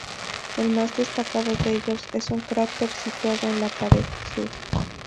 El más destacado de ellos es un cráter situado en la pared sur.